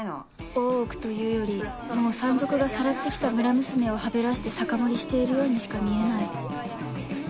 大奥というよりもう山賊がさらって来た村娘をはべらして酒盛りしているようにしか見えない